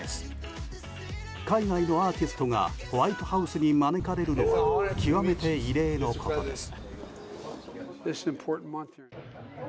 海外のアーティストがホワイトハウスに招かれるのは極めて異例のことです。